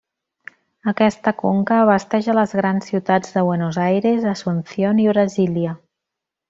Aquesta conca abasteix a les grans ciutats de Buenos Aires, Asunción i Brasília.